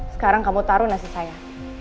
sekarang kamu taruh nasi saya